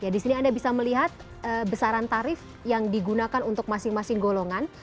di sini anda bisa melihat besaran tarif yang digunakan untuk masing masing golongan